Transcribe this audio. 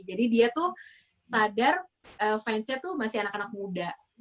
jadi dia tuh sadar fansnya tuh masih anak anak muda